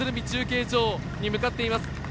中継所に向かっています。